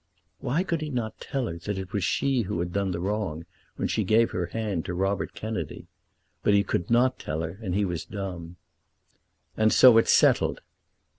Why could he not tell her that it was she who had done the wrong when she gave her hand to Robert Kennedy? But he could not tell her, and he was dumb. "And so it's settled!"